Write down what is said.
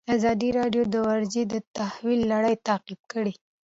ازادي راډیو د ورزش د تحول لړۍ تعقیب کړې.